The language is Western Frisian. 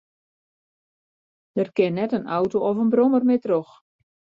Der kin net in auto of in brommer mear troch.